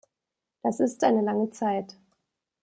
Das ist eine lange Zeit.